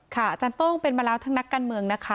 อาจารย์โต้งเป็นมาแล้วทั้งนักการเมืองนะคะ